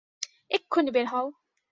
এক্ষুনি বের হও!